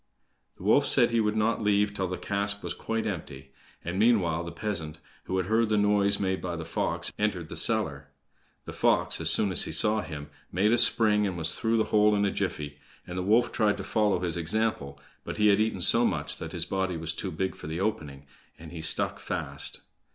The wolf said he would not leave till the cask was quite empty; and meanwhile the peasant, who had heard the noise made by the fox, entered the cellar. The fox, as soon as he saw him, made a spring, and was through the hole in a jiffy; and the wolf tried to follow his example, but he had eaten so much that his body was too big for the opening, and he stuck fast.